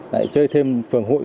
lại chơi thêm phường hội